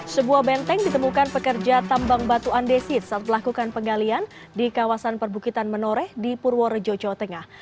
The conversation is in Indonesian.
sebuah benteng ditemukan pekerja tambang batu andesit saat melakukan penggalian di kawasan perbukitan menoreh di purworejo jawa tengah